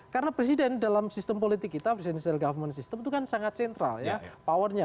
karena presiden dalam sistem politik kita presidenial government system itu kan sangat sentral ya powernya